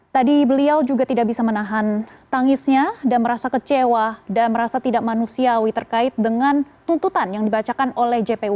tadi beliau juga tidak bisa menahan tangisnya dan merasa kecewa dan merasa tidak manusiawi terkait dengan tuntutan yang dibacakan oleh jpu